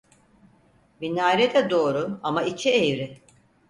Minare de doğru, ama içi eğri.